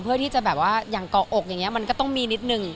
เพื่อที่จะแบบว่าอย่างเกาะอกอย่างนี้มันก็ต้องมีนิดนึง